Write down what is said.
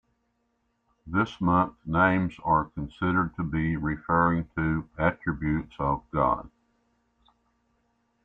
These month names are considered to be referring to attributes of God.